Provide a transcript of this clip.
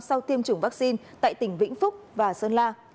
sau tiêm chủng vaccine tại tỉnh vĩnh phúc và sơn la